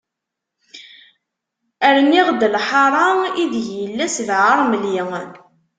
Rniɣ-d lḥara, i deg yella sbeɛ aṛemli.